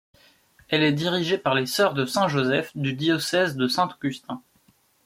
Elle est dirigée par les sœurs de Saint-Joseph, du diocèse de Saint-Augustin.